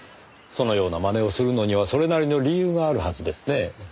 そのような真似をするのにはそれなりの理由があるはずですね。